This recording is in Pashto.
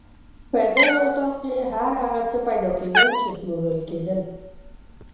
په دغه اطاق کې هر هغه څه پیدا کېدل چې پلورل کېدل.